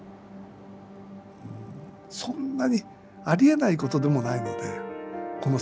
そんなにありえないことでもないのでこの世界。